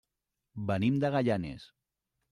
Venim de Gaianes.